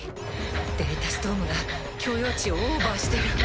データストームが許容値をオーバーしてる。